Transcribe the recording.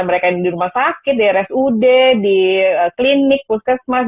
mereka yang di rumah sakit di rsud di klinik puskesmas